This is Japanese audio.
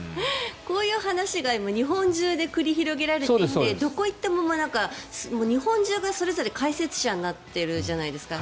こういう話が今、日本中で繰り広げられていてどこ行っても日本中がそれぞれ解説者になっているじゃないですか。